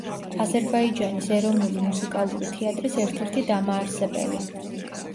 აზერბაიჯანის ეროვნული მუსიკალური თეატრის ერთ-ერთი დამაარსებელი.